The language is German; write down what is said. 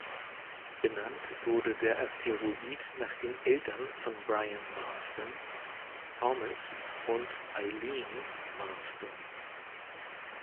Benannt wurde der Asteroid nach den Eltern von Brian Marsden, "Thomas" und "Eileen Marsden".